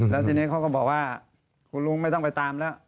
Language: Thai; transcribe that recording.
แล้วทีนี้เขาก็บอกว่าคุณลุงไม่ต้องไปตามแล้ว